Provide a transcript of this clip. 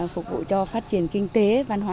phục vụ cho phát triển kinh tế văn hóa